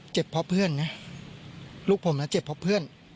เพราะเพื่อนนะลูกผมนะเจ็บเพราะเพื่อน